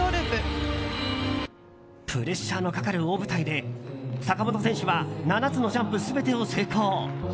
プレッシャーのかかる大舞台で坂本選手は７つのジャンプ全てを成功。